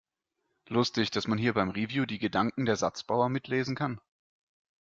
Lustig, dass man hier beim Review die Gedanken der Satzbauer mitlesen kann!